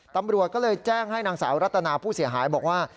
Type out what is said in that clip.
ตำรวจก็เลยแจ้งให้นางสาวรัตนาผู้เสียหายบอกว่า